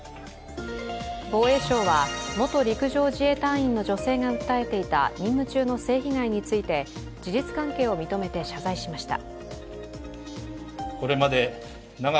防衛省は元陸上自衛隊員の女性が訴えていた任務中の性被害について事実関係を認めて謝罪しました。